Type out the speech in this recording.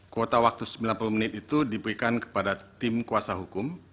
kuota waktu sembilan puluh menit itu diberikan kepada tim kuasa hukum